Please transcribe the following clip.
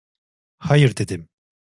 Hayır dedim.